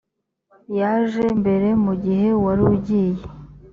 yaje mbere mu gihe warugiye